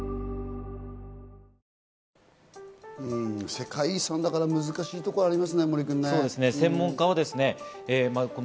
世界遺産だから難しいところありますね、森君。